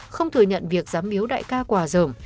không thừa nhận việc dám miếu đại ca quà dởm